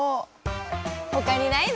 ほかにないの？